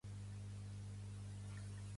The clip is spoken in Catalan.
Pertany al moviment independentista el Nico?